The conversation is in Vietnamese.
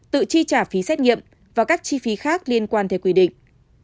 tự chi trả phí xét nghiệm và các chi phí khác liên quan theo quy định